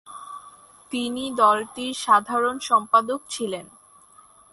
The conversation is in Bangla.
তিনি দলটির সাধারণ সম্পাদক ছিলেন।